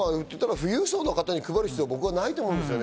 富裕層の方に配る必要はないと思うんですね。